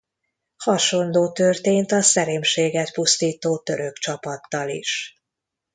Hasonló történt a Szerémséget pusztító török csapattal is.